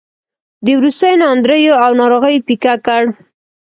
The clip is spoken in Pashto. د وروستیو ناندریو او ناروغیو پېکه کړ.